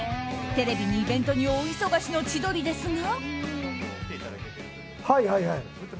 テレビに、イベントに大忙しの千鳥ですが。